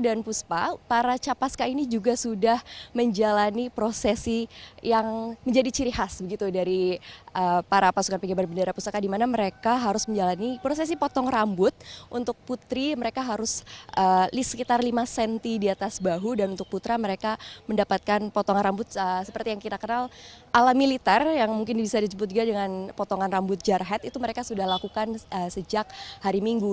dan puspa para capaska ini juga sudah menjalani prosesi yang menjadi ciri khas begitu dari para pasukan penggemar bendera pusaka di mana mereka harus menjalani prosesi potong rambut untuk putri mereka harus sekitar lima cm di atas bahu dan untuk putra mereka mendapatkan potongan rambut seperti yang kita kenal ala militer yang mungkin bisa disebut juga dengan potongan rambut jarahat itu mereka sudah lakukan sejak hari minggu